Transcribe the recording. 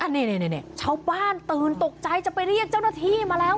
นี่ชาวบ้านตื่นตกใจจะไปเรียกเจ้าหน้าที่มาแล้ว